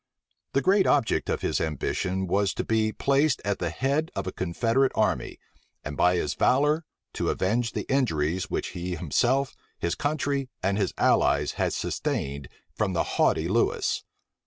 The great object of his ambition was to be placed at the head of a confederate army, and by his valor to avenge the injuries which he himself, his country, and his allies, had sustained from the haughty Lewis.